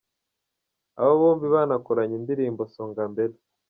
Aba bombi banakoranye indirimbo ‘ Songa mbele’.